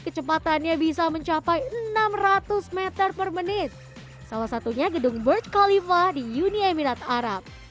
kecepatannya bisa mencapai enam ratus m per menit salah satunya gedung burj khalifa di uni emirat arab